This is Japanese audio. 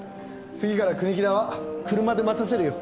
次から国木田は車で待たせるよ。